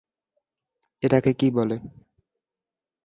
এটাকে কী বলে?